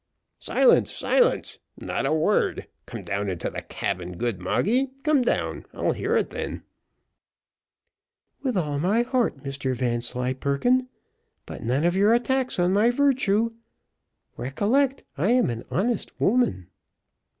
"Silence silence not a word; come down into the cabin, good Moggy. Come down I'll hear it then" "With all my heart, Mr Vanslyperken, but none of your attacks on my vartue; recollect I am an honest woman."